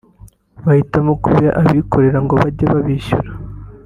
bahitamo kubiha abikorera ngo bajye babishyura